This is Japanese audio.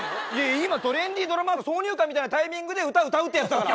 今トレンディードラマの挿入歌みたいなタイミングで歌歌うってやつだから。